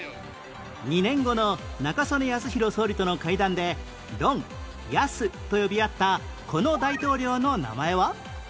２年後の中曽根康弘総理との会談で「ロン」「ヤス」と呼び合ったこの大統領の名前は？